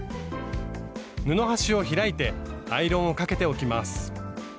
布端を開いてアイロンをかけておきます。